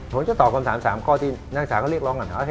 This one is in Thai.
ผมจะตอบคำถาม๓ข้อที่นักศึกษาก็เรียกร้องกันถามว่า